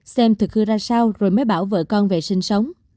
xem thực cư ra sao rồi mới bảo vợ con về sinh sống